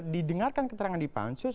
didengarkan keterangan di pansus